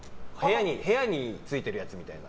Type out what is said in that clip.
部屋についてるやつみたいな。